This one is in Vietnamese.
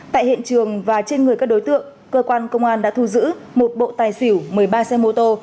tại hiện trường và trên người các đối tượng cơ quan công an đã thu giữ một bộ tài xỉu một mươi ba xe mô tô